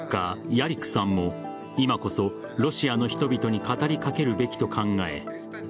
ヤリクさんも今こそロシアの人々に語りかけるべきと考え